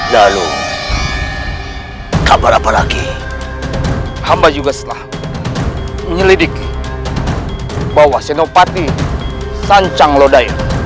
lalu kabar apa lagi hamba juga setelah menyelidiki bahwa senopati sancang lodaya